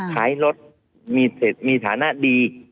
ท้ายรถมีฐานะดี